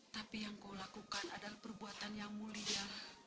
tapi yang kau lakukan adalah perbuatan yang mulia